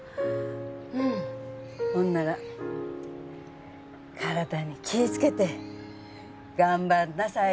うんほんなら体に気いつけて頑張んなさい